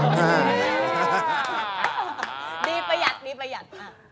อ๋อดีประหยัดดีประหยัด